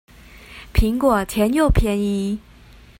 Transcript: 蘋果甜又便宜